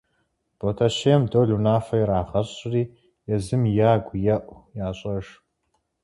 Ботэщейм Дол унафэ ирагъэщӀри езым ягу еӀу ящӀэж.